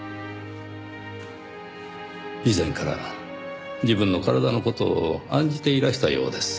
以前から自分の体の事を案じていらしたようです。